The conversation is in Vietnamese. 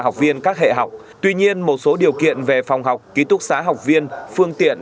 học viên các hệ học tuy nhiên một số điều kiện về phòng học ký túc xá học viên phương tiện